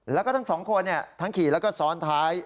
แล้วก็ทั้งสองคนทั้งขี่แล้วก็ซ้อนท้าย